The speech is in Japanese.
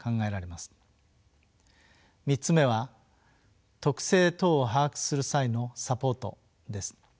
３つ目は特性等を把握する際のサポートです。